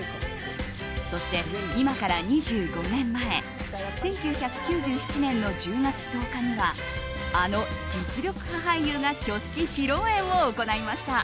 そして、今から２５年前１９９７年の１０月１０日にはあの実力派俳優が挙式・披露宴を行いました。